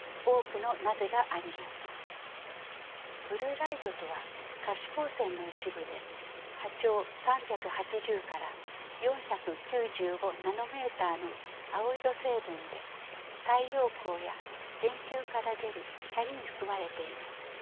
ライトとは可視光線の一部で波長３８０から４９５ナノメーターの青色成分で太陽光や電球から出る光に含まれています。